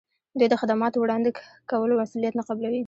دوی د خدماتو وړاندې کولو مسولیت نه قبلوي.